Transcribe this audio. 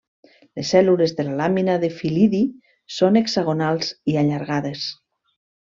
Les cèl·lules de la làmina del fil·lidi són hexagonals i allargades.